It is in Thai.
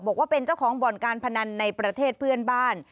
บอกว่าเป็นเจ้าของบ่อนการพนันในประเทศเพื่อนบ้าน